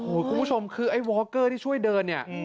คุณผู้ชมคือไอ้วอคเกอร์ที่ช่วยเดินเนี่ย